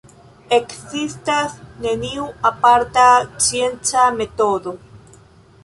Ekzistas neniu aparta scienca metodo.